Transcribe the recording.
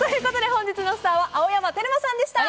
本日のスターは青山テルマさんでした。